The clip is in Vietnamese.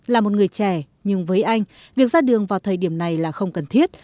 là một người trẻ nhưng với anh việc ra đường vào thời điểm này là không cần thiết